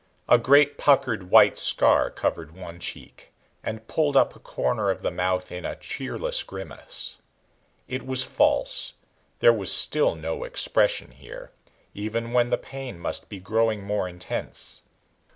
A great puckered white scar covered one cheek and pulled up a corner of the mouth in a cheerless grimace. It was false; there was still no expression here, even when the pain must be growing more intense.